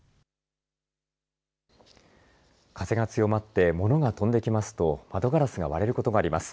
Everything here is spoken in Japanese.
風が強まって物が飛んできますと窓ガラスが割れることがあります。